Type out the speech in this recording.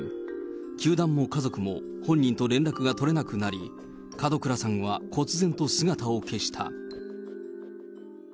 球団も家族も本人と連絡が取れなくなり、門倉さんはこつ然と姿を消した。